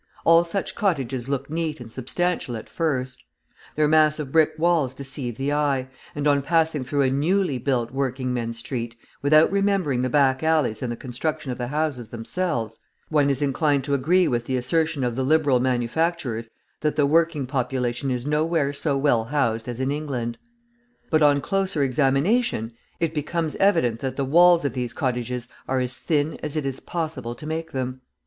All such cottages look neat and substantial at first; their massive brick walls deceive the eye, and, on passing through a newly built working men's street, without remembering the back alleys and the construction of the houses themselves, one is inclined to agree with the assertion of the Liberal manufacturers that the working population is nowhere so well housed as in England. But on closer examination, it becomes evident that the walls of these cottages are as thin as it is possible to make them.